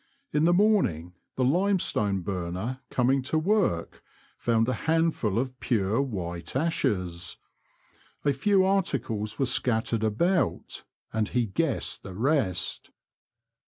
In the morning the Limestone Burner coming to work found a handful of pure white ashes. A few articles were scattered about, and he guessed the rest.